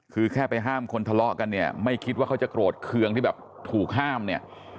คือแค่ไปห้ามคนทะเลาะกันเนี่ยไม่คิดว่าเขาจะโกรธเคืองที่แบบถูกห้ามเนี่ย